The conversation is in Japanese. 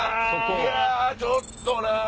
いやちょっとな！